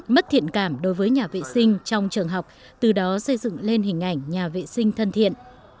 mất thiện cảm đối với nhà vệ sinh trong trường học từ đó xây dựng lên hình ảnh nhà vệ sinh thân thiện